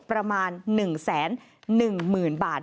ประมาณ๑๑๐๐๐บาท